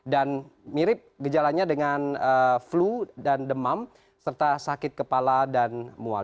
dan mirip gejalannya dengan flu dan demam serta sakit kepala dan mual